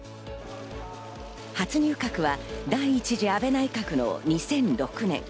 初入閣は第１次安倍内閣の２００６年。